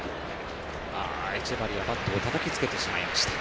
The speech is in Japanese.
エチェバリア、バットをたたきつけてしまいました。